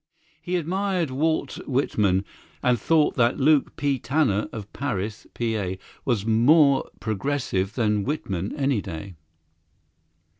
He admired Walt Whitman, but thought that Luke P. Tanner, of Paris, Pa., was more "progressive" than Whitman any day.